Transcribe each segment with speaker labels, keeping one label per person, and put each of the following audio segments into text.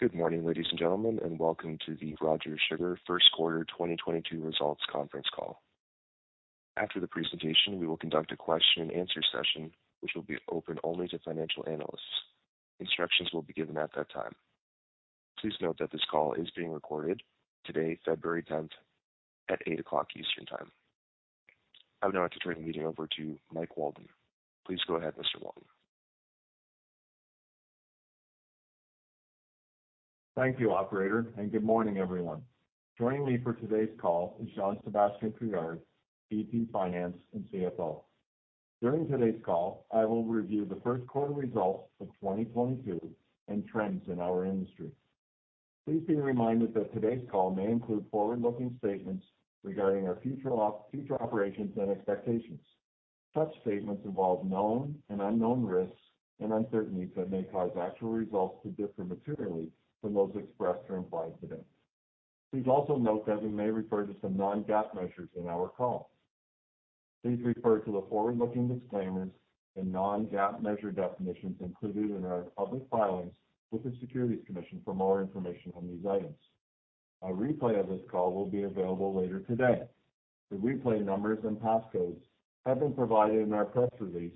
Speaker 1: Good morning, ladies and gentlemen, and welcome to the Rogers Sugar First Quarter 2022 Results Conference Call. After the presentation, we will conduct a question and answer session, which will be open only to financial analysts. Instructions will be given at that time. Please note that this call is being recorded today, February 10, at 8:00 A.M. Eastern Time. I would now like to turn the meeting over to Mike Walton. Please go ahead, Mr. Walton.
Speaker 2: Thank you, operator, and good morning, everyone. Joining me for today's call is Jean-Sébastien Couillard, VP, Finance and CFO. During today's call, I will review the first quarter results for 2022 and trends in our industry. please be reminded that today's call may include forward-looking statements regarding our future operations and expectations. Such statements involve known and unknown risks and uncertainties that may cause actual results to differ materially from those expressed or implied today. Please also note that we may refer to some non-GAAP measures in our call. Please refer to the forward-looking disclaimers and non-GAAP measure definitions included in our public filings with the Securities Commission for more information on these items. A replay of this call will be available later today. The replay numbers and passcodes have been provided in our press release,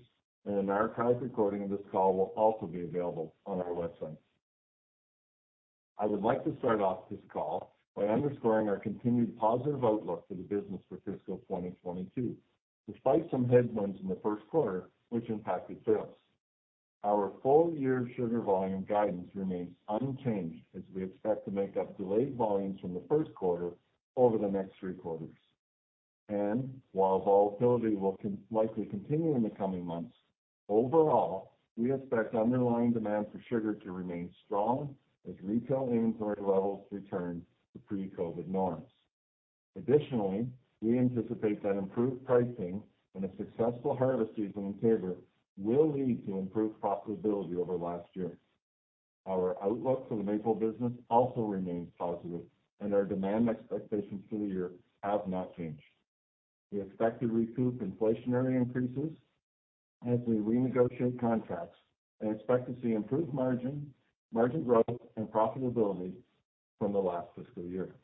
Speaker 2: and an archived recording of this call will also be available on our website. I would like to start off this call by underscoring our continued positive outlook for the business for fiscal 2022, despite some headwinds in the first quarter which impacted sales. Our full-year sugar volume guidance remains unchanged as we expect to make up delayed volumes from the first quarter over the next three quarters. While volatility will likely continue in the coming months, overall, we expect underlying demand for sugar to remain strong as retail inventory levels return to pre-COVID norms. Additionally, we anticipate that improved pricing and a successful harvest season in Taber will lead to improved profitability over last year. Our outlook for the maple business also remains positive, and our demand expectations for the year have not changed. We expect to recoup inflationary increases as we renegotiate contracts and expect to see improved margin growth, and profitability from the last fiscal year.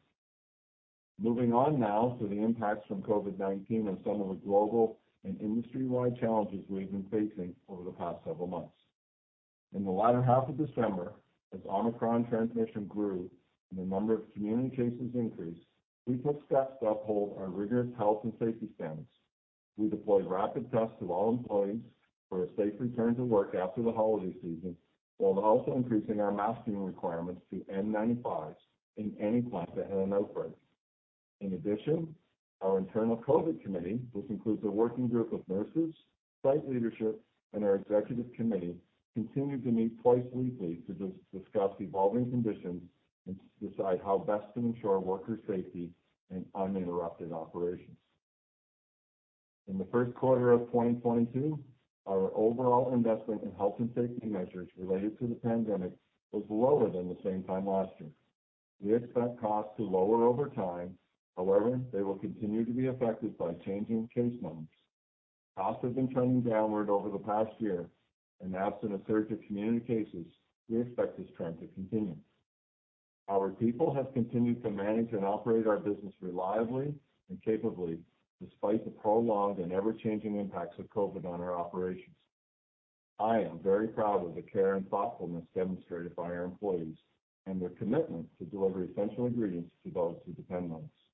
Speaker 2: Moving on now to the impacts from COVID-19 and some of the global and industry-wide challenges we've been facing over the past several months. In the latter half of December, as Omicron transmission grew and the number of community cases increased, we took steps to uphold our rigorous health and safety standards. We deployed rapid tests to all employees for a safe return to work after the holiday season, while also increasing our masking requirements to N95s in any plant that had an outbreak. In addition, our internal COVID committee, which includes a working group of nurses, site leadership, and our executive committee, continued to meet twice weekly to discuss evolving conditions and decide how best to ensure worker safety and uninterrupted operations. In the first quarter of 2022, our overall investment in health and safety measures related to the pandemic was lower than the same time last year. We expect costs to lower over time. However, they will continue to be affected by changing case counts. Costs have been trending downward over the past year, and absent a surge of community cases, we expect this trend to continue. Our people have continued to manage and operate our business reliably and capably, despite the prolonged and ever-changing impacts of COVID on our operations. I am very proud of the care and thoughtfulness demonstrated by our employees and their commitment to deliver essential ingredients to those who depend on us.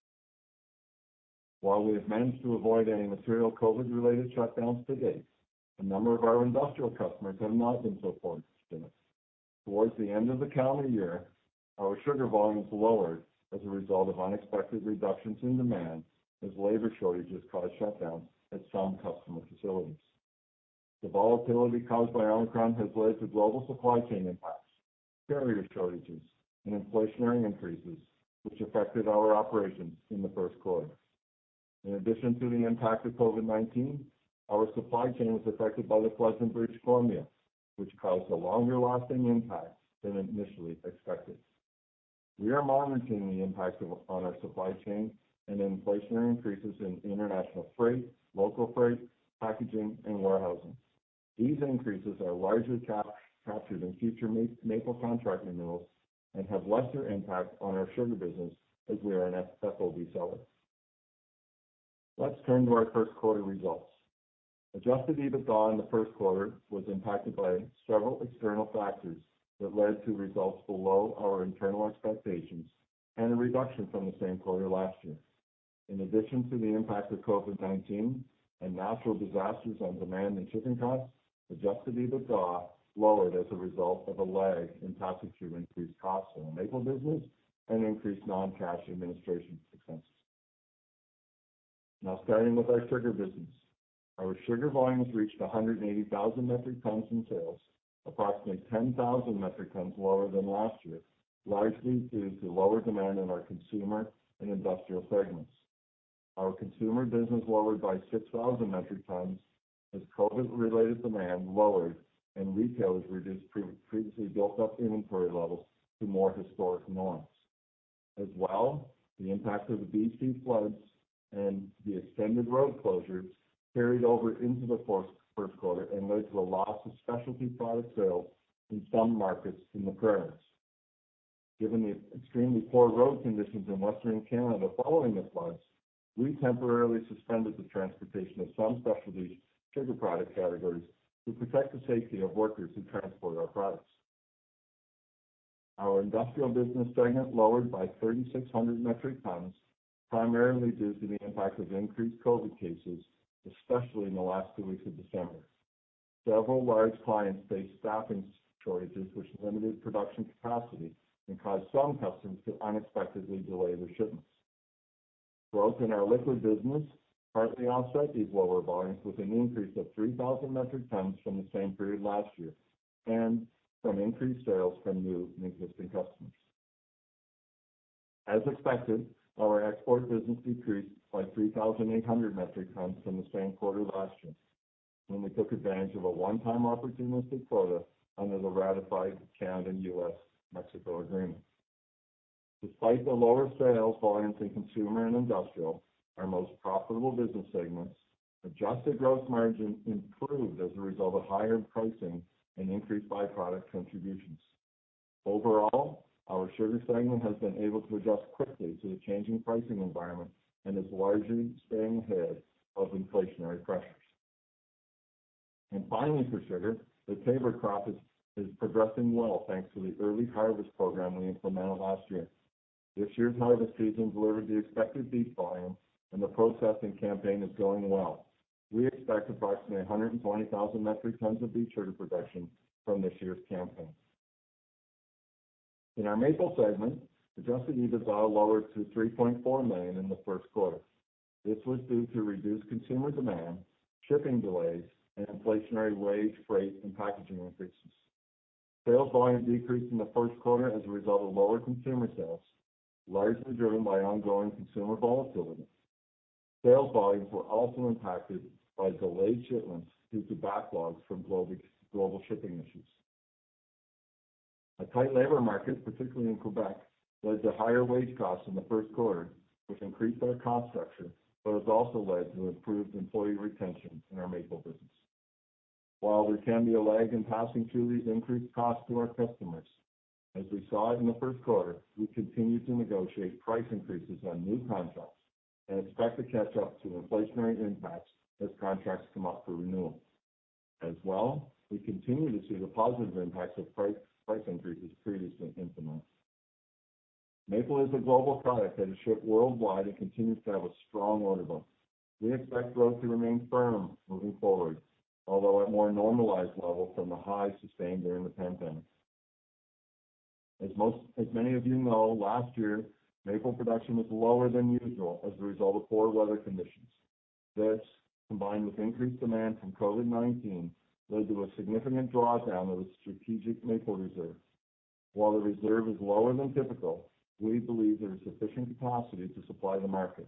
Speaker 2: While we have managed to avoid any material COVID-related shutdowns to date, a number of our industrial customers have not been so fortunate. Towards the end of the calendar year, our sugar volumes lowered as a result of unexpected reductions in demand as labor shortages caused shutdowns at some customer facilities. The volatility caused by Omicron has led to global supply chain impacts, carrier shortages, and inflationary increases, which affected our operations in the first quarter. In addition to the impact of COVID-19, our supply chain was affected by the floods in British Columbia, which caused a longer-lasting impact than initially expected. We are monitoring the impact on our supply chain and inflationary increases in international freight, local freight, packaging, and warehousing. These increases are largely captured in future maple contract renewals and have lesser impact on our sugar business as we are an FOB seller. Let's turn to our first quarter results. Adjusted EBITDA in the first quarter was impacted by several external factors that led to results below our internal expectations and a reduction from the same quarter last year. In addition to the impact of COVID-19 and natural disasters on demand and shipping costs, Adjusted EBITDA lowered as a result of a lag in passing through increased costs in the maple business and increased non-cash administration expenses. Now starting with our sugar business. Our sugar volumes reached 180,000 metric tons in sales, approximately 10,000 metric tons lower than last year, largely due to lower demand in our consumer and industrial segments. Our consumer business lowered by 6,000 metric tons as COVID-related demand lowered and retailers reduced previously built-up inventory levels to more historic norms. As well, the impact of the BC floods and the extended road closures carried over into the first quarter and led to a loss of specialty product sales in some markets in the province. Given the extremely poor road conditions in Western Canada following the floods, we temporarily suspended the transportation of some specialty sugar product categories to protect the safety of workers who transport our products. Our industrial business segment lowered by 3,600 metric tons, primarily due to the impact of increased COVID cases, especially in the last two weeks of December. Several large clients faced staffing shortages which limited production capacity and caused some customers to unexpectedly delay their shipments. Growth in our liquid business partly offset these lower volumes with an increase of 3,000 metric tons from the same period last year and from increased sales from new and existing customers. As expected, our export business decreased by 3,800 metric tons from the same quarter last year when we took advantage of a one-time opportunistic quota under the ratified Canada-U.S.-Mexico Agreement. Despite the lower sales volumes in consumer and industrial, our most profitable business segments, adjusted gross margin improved as a result of higher pricing and increased byproduct contributions. Overall, our sugar segment has been able to adjust quickly to the changing pricing environment and is largely staying ahead of inflationary pressures. Finally, for sugar, the Taber crop is progressing well thanks to the early harvest program we implemented last year. This year's harvest season delivered the expected beet volumes and the processing campaign is going well. We expect approximately 120,000 metric tons of beet sugar production from this year's campaign. In our Maple segment, Adjusted EBITDA lowered to 3.4 million in the first quarter. This was due to reduced consumer demand, shipping delays, and inflationary wage, freight, and packaging increases. Sales volume decreased in the first quarter as a result of lower consumer sales, largely driven by ongoing consumer volatility. Sales volumes were also impacted by delayed shipments due to backlogs from global shipping issues. A tight labor market, particularly in Quebec, led to higher wage costs in the first quarter, which increased our cost structure, but has also led to improved employee retention in our Maple business. While there can be a lag in passing through these increased costs to our customers, as we saw it in the first quarter, we continue to negotiate price increases on new contracts and expect to catch up to inflationary impacts as contracts come up for renewal. As well, we continue to see the positive impacts of price increases previously implemented. Maple is a global product that is shipped worldwide and continues to have a strong order book. We expect growth to remain firm moving forward, although at more normalized level from the highs sustained during the pandemic. As many of you know, last year, maple production was lower than usual as a result of poor weather conditions. This, combined with increased demand from COVID-19, led to a significant drawdown of the strategic maple reserve. While the reserve is lower than typical, we believe there is sufficient capacity to supply the market.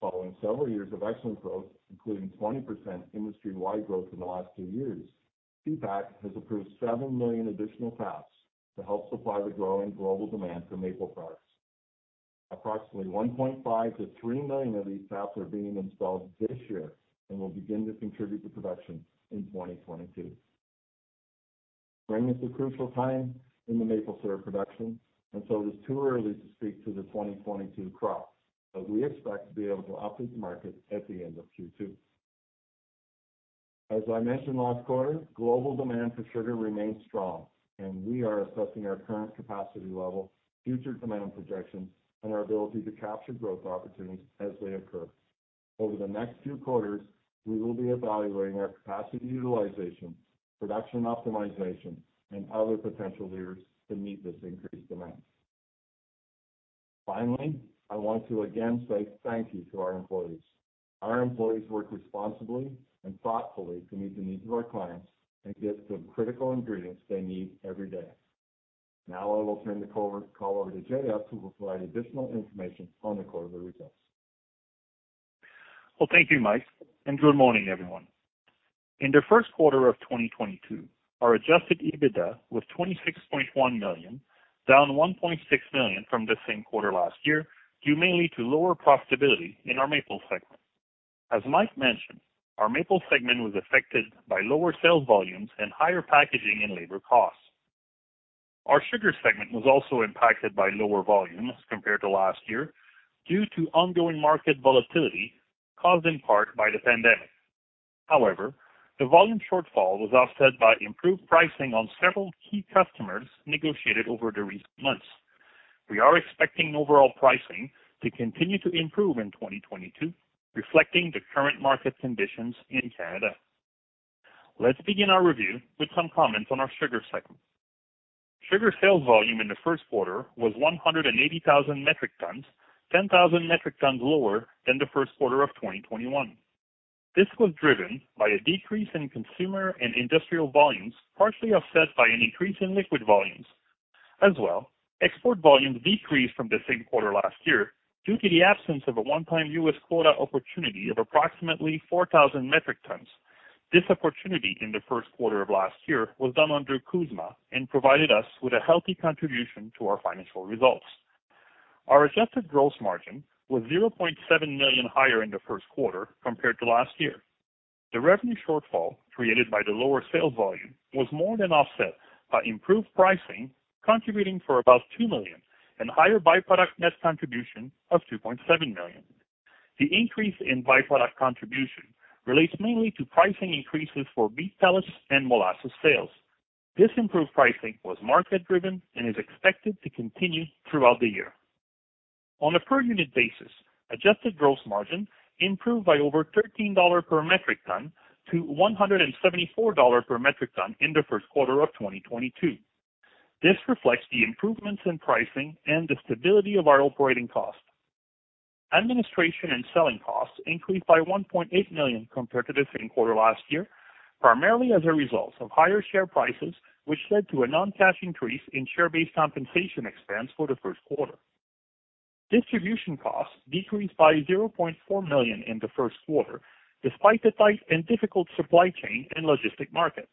Speaker 2: Following several years of excellent growth, including 20% industry-wide growth in the last two years, PPAQ has approved 7 million additional taps to help supply the growing global demand for maple products. Approximately 1.5-3 million of these taps are being installed this year and will begin to contribute to production in 2022. Spring is a crucial time in the maple syrup production, and so it is too early to speak to the 2022 crop, but we expect to be able to update the market at the end of Q2. As I mentioned last quarter, global demand for sugar remains strong, and we are assessing our current capacity level, future demand projections, and our ability to capture growth opportunities as they occur. Over the next few quarters, we will be evaluating our capacity utilization, production optimization, and other potential levers to meet this increased demand. Finally, I want to again say thank you to our employees. Our employees work responsibly and thoughtfully to meet the needs of our clients and get the critical ingredients they need every day. Now I will turn the call over to JF, who will provide additional information on the quarterly results.
Speaker 3: Well, thank you, Mike, and good morning, everyone. In the first quarter of 2022, our Adjusted EBITDA was 26.1 million, down 1.6 million from the same quarter last year, due mainly to lower profitability in our Maple segment. As Mike mentioned, our Maple segment was affected by lower sales volumes and higher packaging and labor costs. Our sugar segment was also impacted by lower volumes compared to last year due to ongoing market volatility caused in part by the pandemic. However, the volume shortfall was offset by improved pricing on several key customers negotiated over the recent months. We are expecting overall pricing to continue to improve in 2022, reflecting the current market conditions in Canada. Let's begin our review with some comments on our sugar segment. Sugar sales volume in the first quarter was 180,000 metric tons, 10,000 metric tons lower than the first quarter of 2021. This was driven by a decrease in consumer and industrial volumes, partially offset by an increase in liquid volumes. As well, export volumes decreased from the same quarter last year due to the absence of a one-time U.S. quota opportunity of approximately 4,000 metric tons. This opportunity in the first quarter of last year was done under CUSMA and provided us with a healthy contribution to our financial results. Our adjusted gross margin was 0.7 million higher in the first quarter compared to last year. The revenue shortfall created by the lower sales volume was more than offset by improved pricing, contributing for about 2 million and higher byproduct net contribution of 2.7 million. The increase in byproduct contribution relates mainly to pricing increases for beet pellets and molasses sales. This improved pricing was market-driven and is expected to continue throughout the year. On a per unit basis, adjusted gross margin improved by over 13 dollars per metric ton to 174 dollars per metric ton in the first quarter of 2022. This reflects the improvements in pricing and the stability of our operating costs. Administration and selling costs increased by 1.8 million compared to the same quarter last year, primarily as a result of higher share prices, which led to a non-cash increase in share-based compensation expense for the first quarter. Distribution costs decreased by 0.4 million in the first quarter, despite the tight and difficult supply chain and logistic market.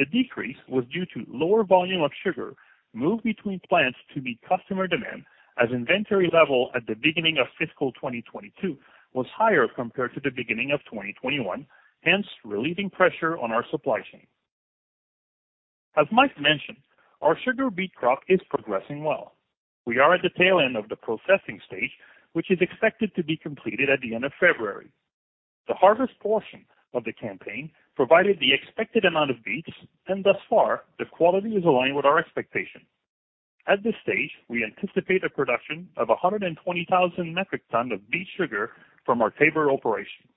Speaker 3: The decrease was due to lower volume of sugar moved between plants to meet customer demand as inventory level at the beginning of fiscal 2022 was higher compared to the beginning of 2021, hence relieving pressure on our supply chain. As Mike mentioned, our sugar beet crop is progressing well. We are at the tail end of the processing stage, which is expected to be completed at the end of February. The harvest portion of the campaign provided the expected amount of beets and thus far the quality is aligned with our expectations. At this stage, we anticipate a production of 120,000 metric ton of beet sugar from our Taber operation.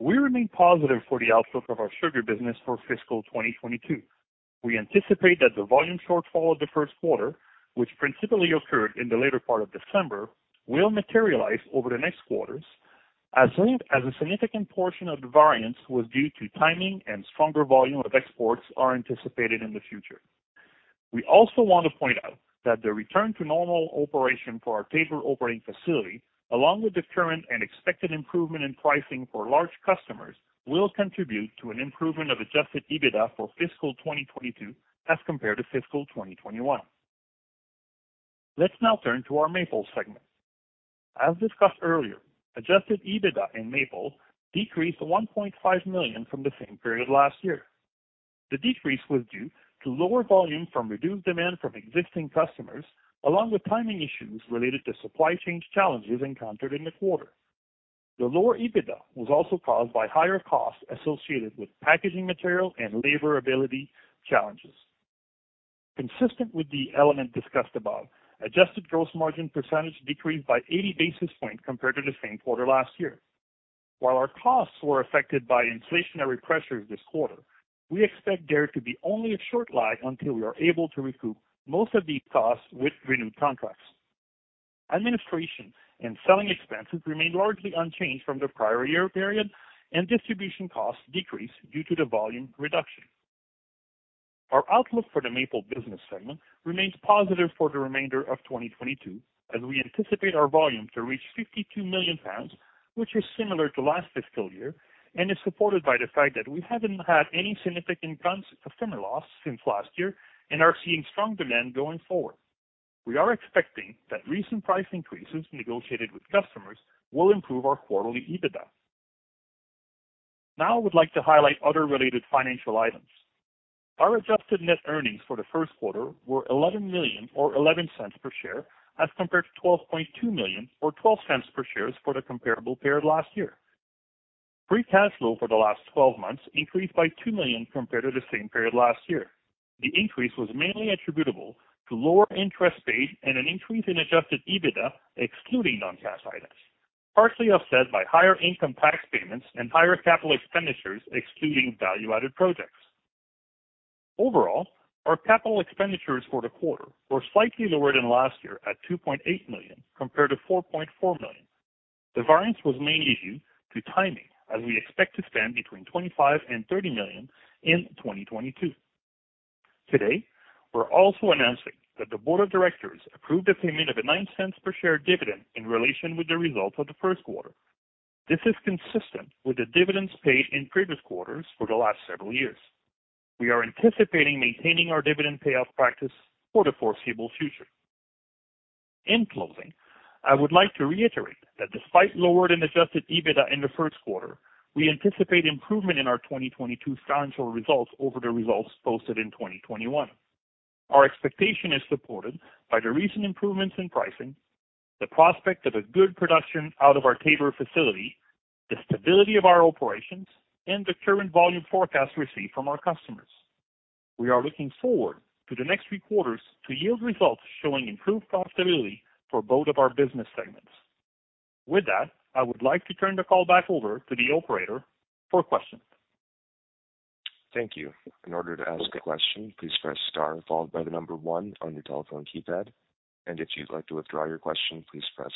Speaker 3: We remain positive for the outlook of our sugar business for fiscal 2022. We anticipate that the volume shortfall of the first quarter, which principally occurred in the later part of December, will materialize over the next quarters as a significant portion of the variance was due to timing and stronger volume of exports are anticipated in the future. We also want to point out that the return to normal operation for our Taber operating facility, along with the current and expected improvement in pricing for large customers, will contribute to an improvement of Adjusted EBITDA for fiscal 2022 as compared to fiscal 2021. Let's now turn to our Maple segment. As discussed earlier, Adjusted EBITDA in Maple decreased 1.5 million from the same period last year. The decrease was due to lower volume from reduced demand from existing customers, along with timing issues related to supply chain challenges encountered in the quarter. The lower EBITDA was also caused by higher costs associated with packaging material and labor availability challenges. Consistent with the element discussed above, adjusted gross margin percentage decreased by 80 basis points compared to the same quarter last year. While our costs were affected by inflationary pressures this quarter, we expect there to be only a short lag until we are able to recoup most of these costs with renewed contracts. Administration and selling expenses remained largely unchanged from the prior year period, and distribution costs decreased due to the volume reduction. Our outlook for the maple business segment remains positive for the remainder of 2022 as we anticipate our volume to reach 52 million pounds, which is similar to last fiscal year and is supported by the fact that we haven't had any significant customer loss since last year and are seeing strong demand going forward. We are expecting that recent price increases negotiated with customers will improve our quarterly EBITDA. Now I would like to highlight other related financial items. Our adjusted net earnings for the first quarter were 11 million or 0.11 per share as compared to 12.2 million or 0.12 per share for the comparable period last year. Free cash flow for the last 12 months increased by 2 million compared to the same period last year. The increase was mainly attributable to lower interest paid and an increase in Adjusted EBITDA, excluding non-cash items, partially offset by higher income tax payments and higher capital expenditures, excluding value-added projects. Overall, our capital expenditures for the quarter were slightly lower than last year at 2.8 million compared to 4.4 million. The variance was mainly due to timing as we expect to spend between 25 million and 30 million in 2022. Today, we're also announcing that the board of directors approved a payment of 0.09 per share dividend in relation with the results of the first quarter. This is consistent with the dividends paid in previous quarters for the last several years. We are anticipating maintaining our dividend payout practice for the foreseeable future. In closing, I would like to reiterate that despite lower Adjusted EBITDA in the first quarter, we anticipate improvement in our 2022 financial results over the results posted in 2021. Our expectation is supported by the recent improvements in pricing, the prospect of a good production out of our Taber facility, the stability of our operations, and the current volume forecast received from our customers. We are looking forward to the next three quarters to yield results showing improved profitability for both of our business segments. With that, I would like to turn the call back over to the operator for questions.
Speaker 1: Thank you. In order to ask a question, please press star followed by the number one on your telephone keypad. If you'd like to withdraw your question, please press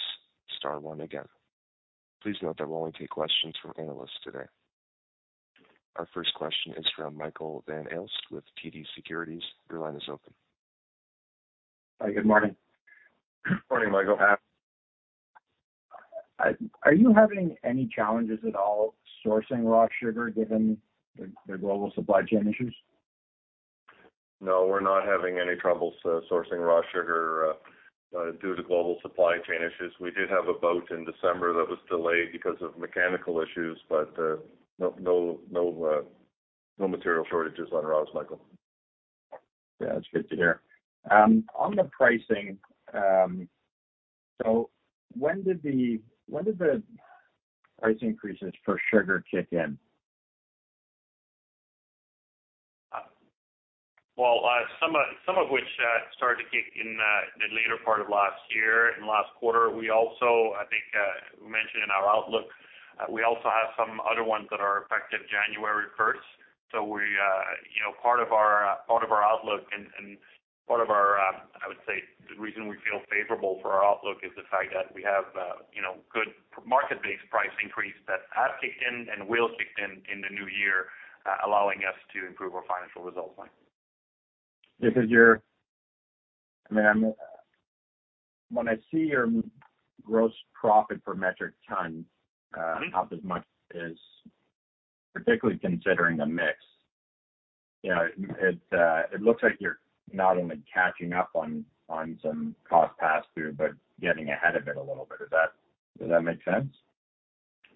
Speaker 1: star one again. Please note that we'll only take questions from analysts today. Our first question is from Michael Van Aelst with TD Securities. Your line is open.
Speaker 4: Hi, good morning.
Speaker 2: Morning, Michael.
Speaker 4: Are you having any challenges at all sourcing raw sugar given the global supply chain issues?
Speaker 2: No, we're not having any troubles sourcing raw sugar due to global supply chain issues. We did have a boat in December that was delayed because of mechanical issues, but no material shortages on raw, Michael.
Speaker 4: Yeah, that's good to hear. On the pricing, when did the price increases for sugar kick in?
Speaker 3: Well, some of which started to kick in the later part of last year and last quarter. We also, I think, we mentioned in our outlook, we also have some other ones that are effective January first. We, you know, part of our, I would say the reason we feel favorable for our outlook is the fact that we have, you know, good market-based price increase that have kicked in and will kick in in the new year, allowing us to improve our financial results line.
Speaker 4: When I see your gross profit per metric ton up as much as particularly considering the mix, you know, it looks like you're not only catching up on some cost pass-through, but getting ahead of it a little bit. Does that make sense?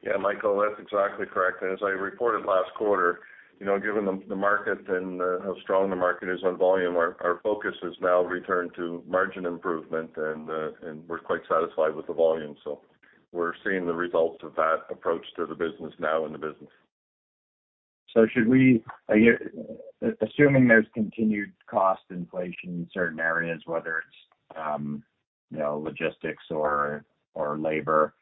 Speaker 2: Yeah, Michael, that's exactly correct. As I reported last quarter, you know, given the market and how strong the market is on volume, our focus has now returned to margin improvement and we're quite satisfied with the volume. We're seeing the results of that approach to the business now in the business.
Speaker 4: Assuming there's continued cost inflation in certain areas, whether it's, you know, logistics or labor,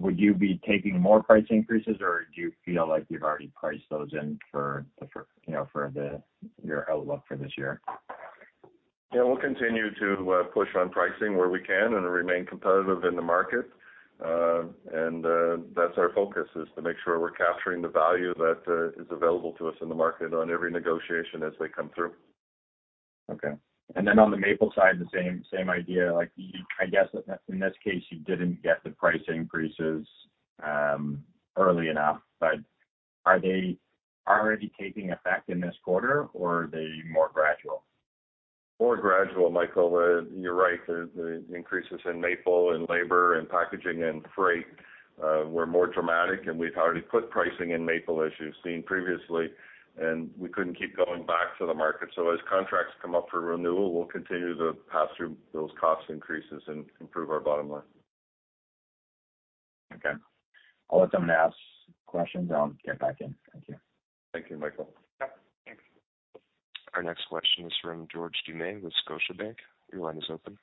Speaker 4: would you be taking more price increases, or do you feel like you've already priced those in for your outlook for this year?
Speaker 2: Yeah, we'll continue to push on pricing where we can and remain competitive in the market. That's our focus, is to make sure we're capturing the value that is available to us in the market on every negotiation as they come through.
Speaker 4: Okay. On the maple side, the same idea. Like, you... I guess in this case you didn't get the price increases early enough. Are they already taking effect in this quarter or are they more gradual?
Speaker 2: More gradual, Michael. You're right. The increases in maple and labor and packaging and freight were more dramatic, and we've already put pricing in maple as you've seen previously, and we couldn't keep going back to the market. As contracts come up for renewal, we'll continue to pass through those cost increases and improve our bottom line.
Speaker 4: Okay. I'll let someone else questions. I'll get back in. Thank you.
Speaker 2: Thank you, Michael.
Speaker 3: Yep. Thanks.
Speaker 1: Our next question is from George Doumet with Scotiabank. Your line is open.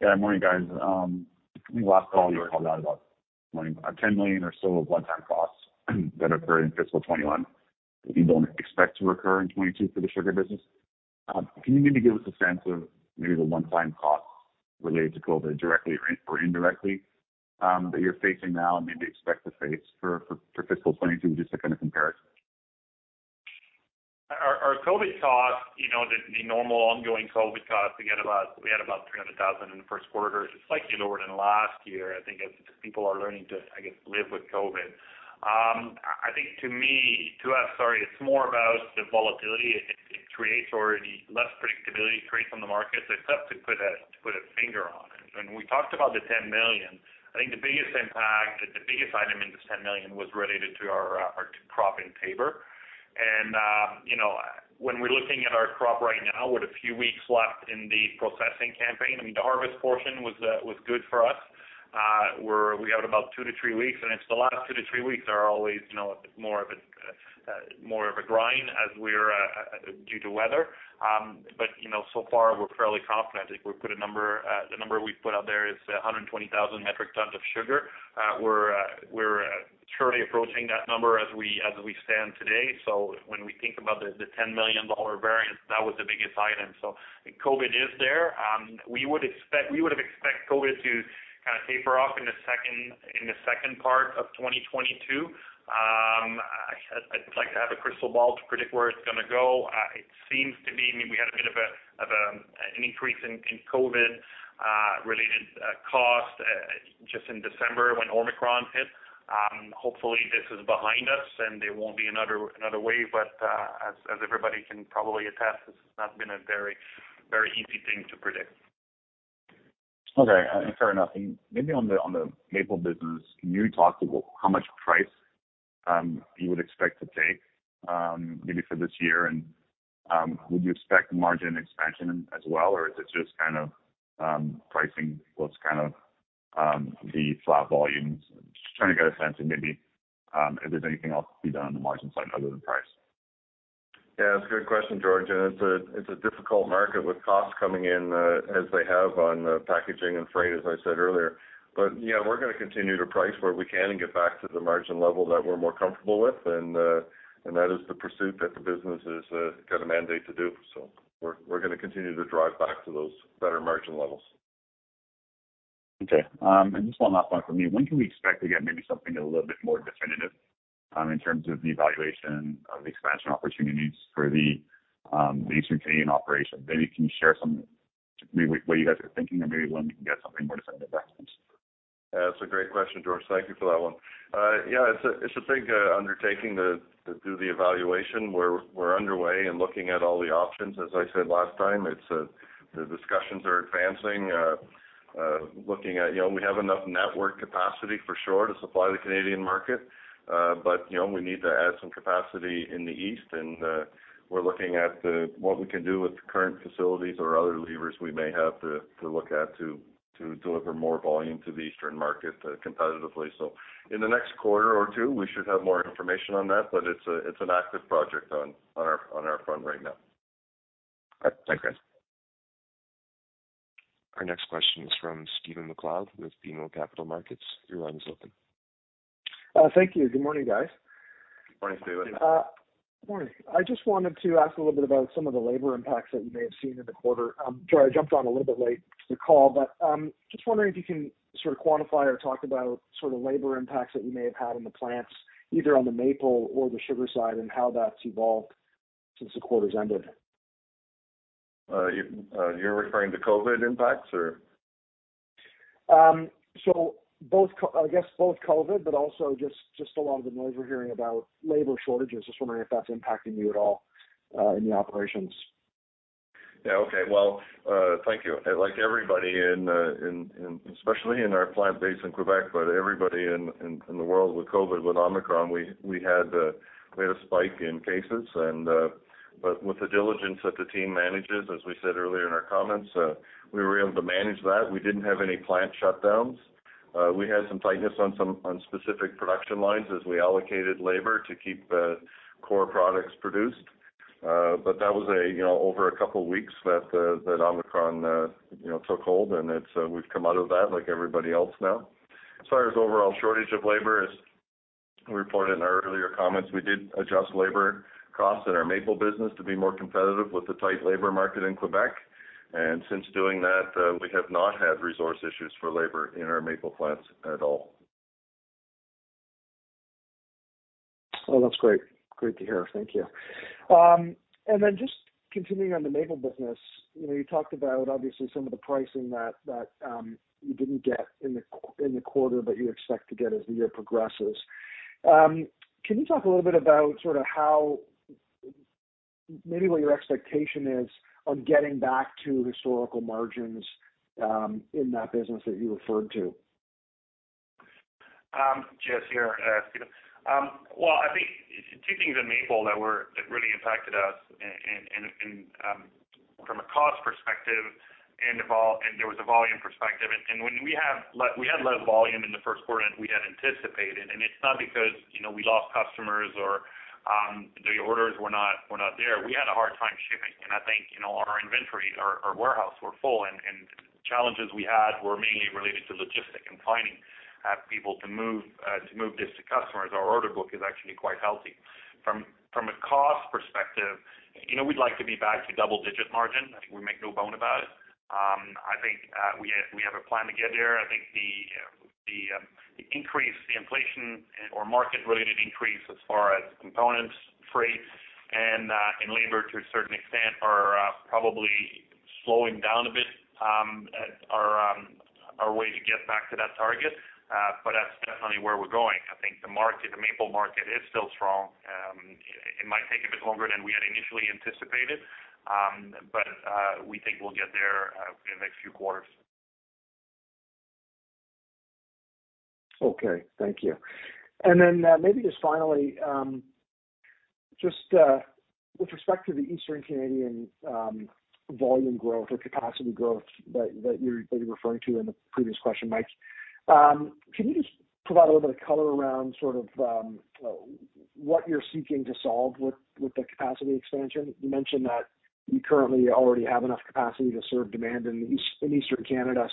Speaker 5: Yeah. Morning, guys. In the last call, you called out about 10 million or so of one-time costs that occurred in fiscal 2021 that you don't expect to recur in 2022 for the sugar business. Can you maybe give us a sense of maybe the one-time costs related to COVID directly or indirectly that you're facing now and maybe expect to face for fiscal 2022, just to kind of comparison?
Speaker 3: Our COVID costs, you know, the normal ongoing COVID costs, we get about 300,000 in the first quarter. It's slightly lower than last year, I think as people are learning to, I guess, live with COVID. I think to me, to us, sorry, it's more about the volatility it creates or the less predictability it creates on the market. It's tough to put a finger on it. When we talked about the 10 million, I think the biggest impact, the biggest item in this 10 million was related to our crop in Taber. You know, when we're looking at our crop right now with a few weeks left in the processing campaign, I mean, the harvest portion was good for us. We're We have about 2-3 weeks, and the last 2-3 weeks are always, you know, more of a grind due to weather. You know, so far we're fairly confident. I think we've put a number. The number we put out there is 120,000 metric tons of sugar. We're surely approaching that number as we stand today. When we think about the 10 million dollar variance, that was the biggest item. COVID is there. We would expect COVID to kind of taper off in the second part of 2022. I'd like to have a crystal ball to predict where it's gonna go. It seems to be, I mean, we had a bit of an increase in COVID-related costs just in December when Omicron hit. Hopefully this is behind us and there won't be another wave. As everybody can probably attest, this has not been a very easy thing to predict.
Speaker 5: Okay. Fair enough. Maybe on the maple business, can you talk about how much price you would expect to take maybe for this year? Would you expect margin expansion as well, or is it just kind of pricing what's kind of the flat volumes? Just trying to get a sense of maybe if there's anything else to be done on the margin side other than price.
Speaker 2: Yeah, it's a good question, George. It's a difficult market with costs coming in as they have on the packaging and freight, as I said earlier. Yeah, we're gonna continue to price where we can and get back to the margin level that we're more comfortable with. That is the pursuit that the business has got a mandate to do. We're gonna continue to drive back to those better margin levels.
Speaker 5: Okay. Just one last one for me. When can we expect to get maybe something a little bit more definitive in terms of the evaluation of expansion opportunities for the Eastern Canadian operation? Maybe can you share some maybe what you guys are thinking or maybe when we can get something more definitive there?
Speaker 2: Yeah. That's a great question, George. Thank you for that one. Yeah, it's a big undertaking to do the evaluation. We're underway and looking at all the options. As I said last time, the discussions are advancing, looking at, you know, we have enough network capacity for sure to supply the Canadian market. But you know, we need to add some capacity in the east, and we're looking at what we can do with the current facilities or other levers we may have to look at to deliver more volume to the eastern market, competitively. In the next quarter or two, we should have more information on that, but it's an active project on our front right now.
Speaker 5: All right. Thanks, guys.
Speaker 1: Our next question is from Stephen MacLeod with BMO Capital Markets. Your line is open.
Speaker 6: Thank you. Good morning, guys.
Speaker 2: Good morning, Stephen.
Speaker 6: Good morning. I just wanted to ask a little bit about some of the labor impacts that you may have seen in the quarter. Sorry, I jumped on a little bit late to the call, but just wondering if you can sort of quantify or talk about sort of labor impacts that you may have had in the plants, either on the maple or the sugar side, and how that's evolved since the quarter's ended.
Speaker 2: You're referring to COVID impacts or?
Speaker 6: I guess both COVID, but also just a lot of the noise we're hearing about labor shortages. Just wondering if that's impacting you at all, in the operations.
Speaker 2: Yeah. Okay. Well, thank you. Like everybody in, especially in our plant base in Quebec, but everybody in the world with COVID, with Omicron, we had a spike in cases and, but with the diligence that the team manages, as we said earlier in our comments, we were able to manage that. We didn't have any plant shutdowns. We had some tightness on some specific production lines as we allocated labor to keep core products produced. But that was, you know, over a couple weeks that Omicron, you know, took hold and it's, we've come out of that like everybody else now. As far as overall shortage of labor, as we reported in our earlier comments, we did adjust labor costs in our maple business to be more competitive with the tight labor market in Quebec. Since doing that, we have not had resource issues for labor in our maple plants at all.
Speaker 6: Oh, that's great. Great to hear. Thank you. Just continuing on the maple business, you know, you talked about obviously some of the pricing that you didn't get in the quarter, but you expect to get as the year progresses. Can you talk a little bit about sort of how maybe what your expectation is on getting back to historical margins, in that business that you referred to?
Speaker 3: Jess here, Stephen. Well, I think two things in maple that really impacted us in from a cost perspective and a volume perspective. When we had less volume in the first quarter than we had anticipated, and it's not because, you know, we lost customers or the orders were not there. We had a hard time shipping. I think, you know, our inventory, our warehouse were full and challenges we had were mainly related to logistics and finding people to move this to customers. Our order book is actually quite healthy. From a cost perspective, you know, we'd like to be back to double-digit margin. I think we make no bones about it. I think we have a plan to get there. I think the increase, the inflation or market-related increase as far as components, freight and labor to a certain extent are probably slowing down a bit, as our way to get back to that target. That's definitely where we're going. I think the maple market is still strong. It might take a bit longer than we had initially anticipated, but we think we'll get there in the next few quarters.
Speaker 6: Okay. Thank you. Maybe just finally, with respect to the Eastern Canadian volume growth or capacity growth that you're referring to in the previous question, Mike, can you just provide a little bit of color around sort of what you're seeking to solve with the capacity expansion? You mentioned that you currently already have enough capacity to serve demand in Eastern Canada.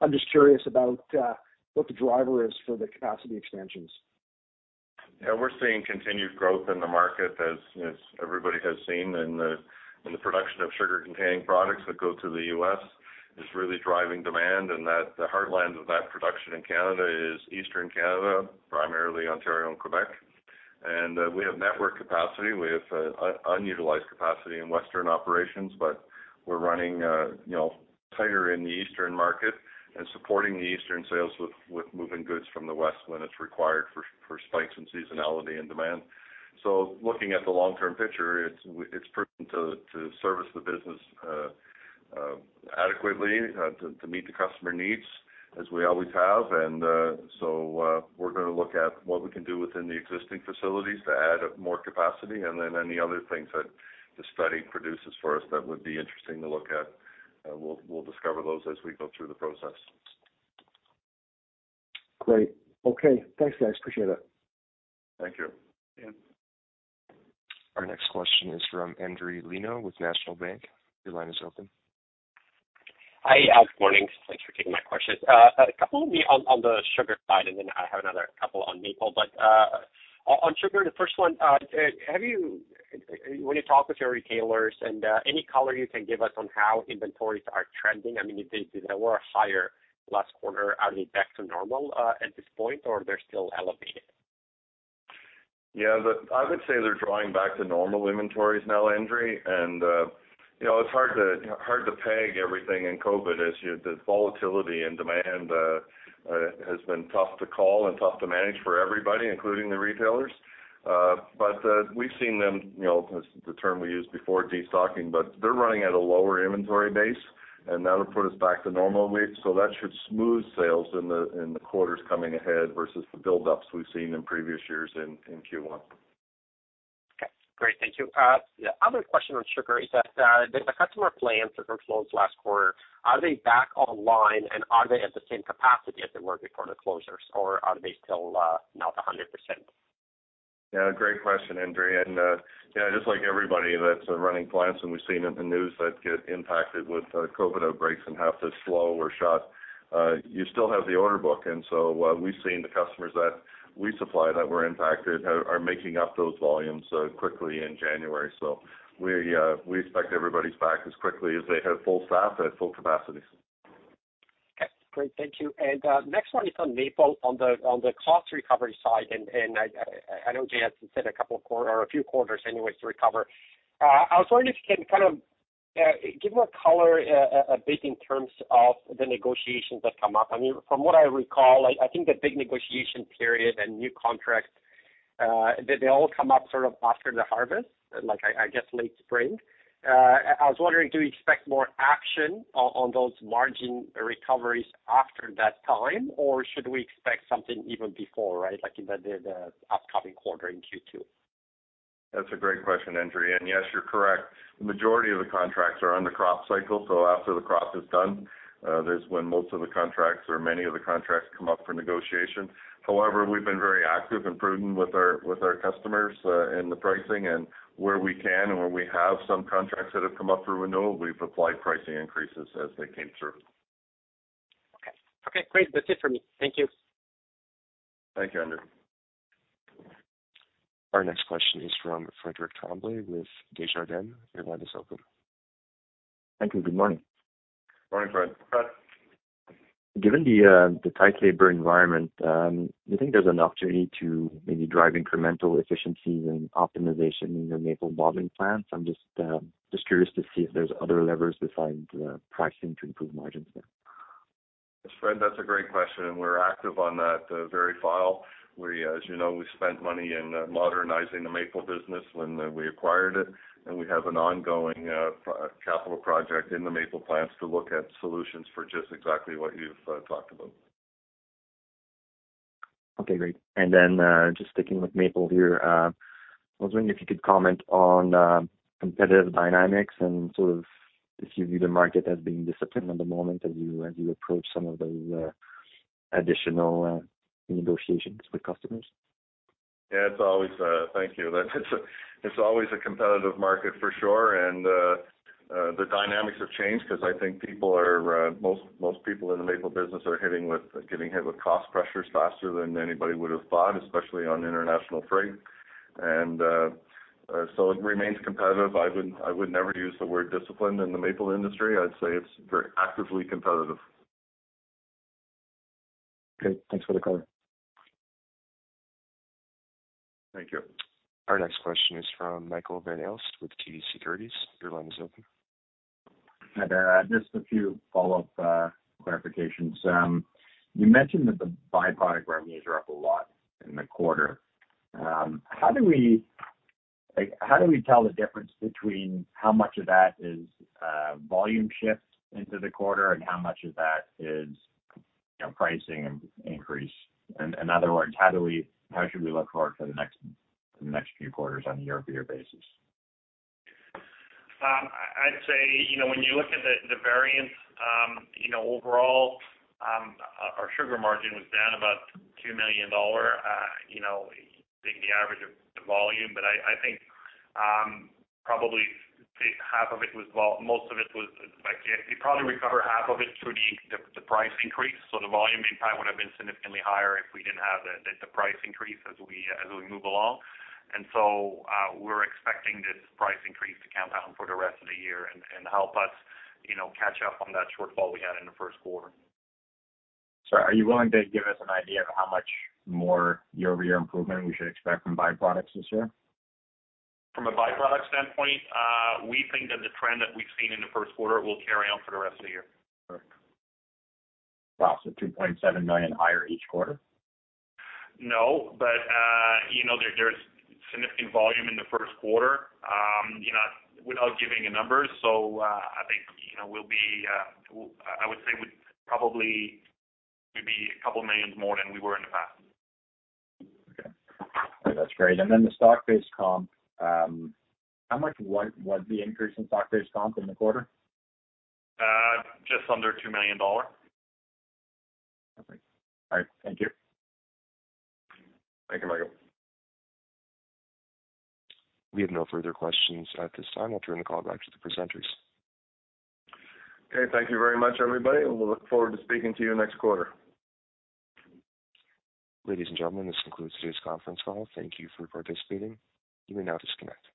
Speaker 6: I'm just curious about what the driver is for the capacity expansions.
Speaker 2: Yeah. We're seeing continued growth in the market as everybody has seen in the production of sugar-containing products that go to the U.S. is really driving demand, and that the heartland of that production in Canada is Eastern Canada, primarily Ontario and Quebec. We have network capacity. We have unutilized capacity in Western operations, but we're running you know tighter in the Eastern market and supporting the Eastern sales with moving goods from the West when it's required for spikes in seasonality and demand. Looking at the long-term picture, it's prudent to service the business adequately to meet the customer needs as we always have. We're gonna look at what we can do within the existing facilities to add more capacity and then any other things that the study produces for us that would be interesting to look at. We'll discover those as we go through the process.
Speaker 6: Great. Okay. Thanks, guys. Appreciate it.
Speaker 2: Thank you.
Speaker 3: Yeah.
Speaker 1: Our next question is from Endri Leno with National Bank. Your line is open.
Speaker 7: Hi. Good morning. Thanks for taking my questions. A couple from me on the sugar side, and then I have another couple on maple. On sugar, the first one, when you talk with your retailers and, any color you can give us on how inventories are trending? I mean, they were higher last quarter. Are they back to normal, at this point, or they're still elevated?
Speaker 2: Yeah, I would say they're drawing back to normal inventories now, Endri. You know, it's hard to peg everything in COVID as the volatility and demand has been tough to call and tough to manage for everybody, including the retailers. We've seen them, you know, the term we used before, destocking, but they're running at a lower inventory base, and that'll put us back to normal weeks. That should smooth sales in the quarters coming ahead versus the buildups we've seen in previous years in Q1.
Speaker 7: Okay, great. Thank you. The other question on sugar is that, did the customer delay in sugar flows last quarter, are they back online and are they at the same capacity as they were before the closures, or are they still not 100%?
Speaker 2: Yeah, great question, Endri. You know, just like everybody that's running plants and we've seen in the news that get impacted with COVID outbreaks and have to slow or shut, you still have the order book. What we've seen the customers that we supply that were impacted are making up those volumes quickly in January. We expect everybody's back as quickly as they have full staff at full capacity.
Speaker 7: Okay, great. Thank you. Next one is on maple on the cost recovery side. I know Jay has said a few quarters anyways to recover. I was wondering if you can kind of give more color a bit in terms of the negotiations that come up. I mean, from what I recall, like I think the big negotiation period and new contracts, they all come up sort of after the harvest, like I guess late spring. I was wondering, do you expect more action on those margin recoveries after that time, or should we expect something even before, right? Like in the upcoming quarter in Q2.
Speaker 2: That's a great question, Endri. Yes, you're correct. The majority of the contracts are on the crop cycle, so after the crop is done, that's when most of the contracts or many of the contracts come up for negotiation. However, we've been very active and prudent with our customers in the pricing and where we can and where we have some contracts that have come up for renewal, we've applied pricing increases as they came through.
Speaker 7: Okay. Okay, great. That's it for me. Thank you.
Speaker 2: Thank you, Endri Leno.
Speaker 1: Our next question is from Frederic Tremblay with Desjardins. Your line is open.
Speaker 8: Thank you. Good morning.
Speaker 2: Morning, Fred.
Speaker 3: Fred.
Speaker 8: Given the tight labor environment, do you think there's an opportunity to maybe drive incremental efficiencies and optimization in your maple bottling plants? I'm just curious to see if there's other levers besides pricing to improve margins there.
Speaker 2: Yes, Fred, that's a great question, and we're active on that very vital. As you know, we spent money in modernizing the maple business when we acquired it, and we have an ongoing capital project in the maple plants to look at solutions for just exactly what you've talked about.
Speaker 8: Okay, great. Then, just sticking with maple here, I was wondering if you could comment on, competitive dynamics and sort of if you view the market as being disciplined at the moment as you approach some of those, additional, negotiations with customers.
Speaker 2: Yeah, it's always. Thank you. It's always a competitive market for sure. The dynamics have changed because I think most people in the maple business are getting hit with cost pressures faster than anybody would have thought, especially on international freight. It remains competitive. I would never use the word disciplined in the maple industry. I'd say it's very actively competitive.
Speaker 8: Okay. Thanks for the color.
Speaker 2: Thank you.
Speaker 1: Our next question is from Michael Van Aelst with TD Securities. Your line is open.
Speaker 4: Hi there. Just a few follow-up clarifications. You mentioned that the byproduct revenues are up a lot in the quarter. How do we, like, tell the difference between how much of that is volume shift into the quarter and how much of that is, you know, pricing increase? In other words, how should we look for the next few quarters on a year-over-year basis?
Speaker 3: I'd say, you know, when you look at the variance, you know, overall, our sugar margin was down about 2 million dollar, you know, I think the average of the volume. But I think, probably half of it was, most of it was, like, you probably recover half of it through the price increase. So the volume impact would have been significantly higher if we didn't have the price increase as we move along. We're expecting this price increase to compound for the rest of the year and help us, you know, catch up on that shortfall we had in the first quarter.
Speaker 4: Are you willing to give us an idea of how much more year-over-year improvement we should expect from byproducts this year?
Speaker 3: From a byproduct standpoint, we think that the trend that we've seen in the first quarter will carry on for the rest of the year.
Speaker 4: Perfect. Wow, so 2.7 million higher each quarter?
Speaker 3: No, but you know, there's significant volume in the first quarter, you know, without giving a number. I think, you know, we probably will be 2 million more than we were in the past.
Speaker 4: Okay. That's great. The stock-based comp, how much was the increase in stock-based comp in the quarter?
Speaker 3: Just under 2 million dollars.
Speaker 4: Perfect. All right. Thank you.
Speaker 2: Thank you, Michael.
Speaker 1: We have no further questions at this time. I'll turn the call back to the presenters.
Speaker 2: Okay. Thank you very much, everybody, and we'll look forward to speaking to you next quarter.
Speaker 1: Ladies and gentlemen, this concludes today's conference call. Thank you for participating. You may now disconnect.